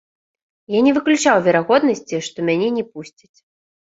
Я не выключаў верагоднасці, што мяне не пусцяць.